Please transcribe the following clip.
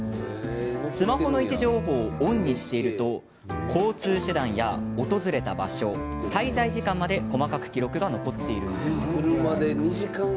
スマホの位置情報をオンにしていると交通手段や訪れた場所滞在時間まで細かく記録が残っているんです。